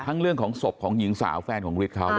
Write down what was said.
เรื่องของศพของหญิงสาวแฟนของฤทธิ์เขา